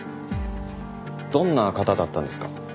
どんな方だったんですか？